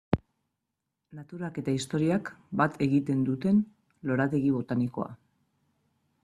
Naturak eta historiak bat egiten duten lorategi botanikoa.